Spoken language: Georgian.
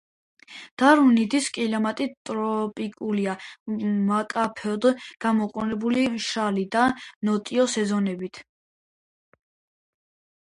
დარვინის კლიმატი ტროპიკულია, მკაფიოდ გამოყოფილი მშრალი და ნოტიო სეზონებით.